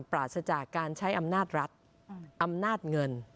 ปราศจากการใช้อำนาจรัฐอำนาจเงิน